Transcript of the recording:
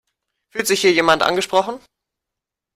Fühlt sich hier jemand angesprochen?